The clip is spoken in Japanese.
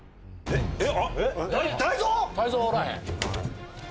えっ？